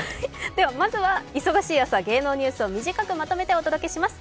まずは忙しい朝、芸能ニュースを短くまとめてお伝えします。